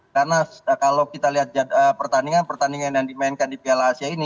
karena kalau kita lihat pertandingan pertandingan yang dimainkan di piala asia ini